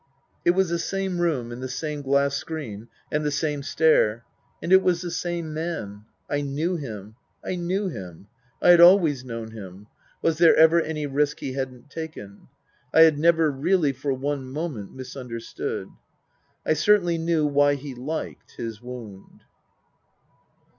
It was the same room and the same glass screen and the same stair. And it was the same man. I knew him. I knew him. I had always known him. (Was there ever any risk he hadn't taken ?) I had never, really, for one moment misunderstood. I certainly knew why he " liked " his wound.